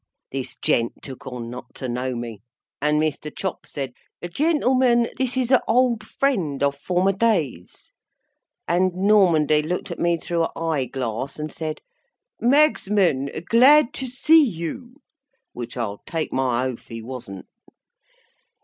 This gent took on not to know me, and Mr. Chops said: "Gentlemen, this is a old friend of former days:" and Normandy looked at me through a eye glass, and said, "Magsman, glad to see you!"—which I'll take my oath he wasn't.